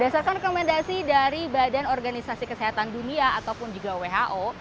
berdasarkan rekomendasi dari badan organisasi kesehatan dunia ataupun juga who